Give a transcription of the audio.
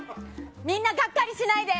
みんな、がっかりしないで。